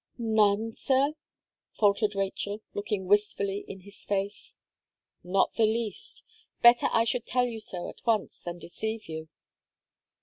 "None, sir?" faltered Rachel, looking wistfully in his face. "Not the least. Better I should tell you so at once, than deceive you."